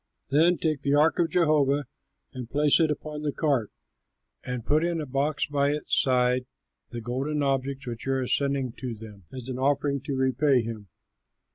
Then take the ark of Jehovah and place it upon the cart and put in a box at its side the golden objects which you are sending to them as an offering to repay him.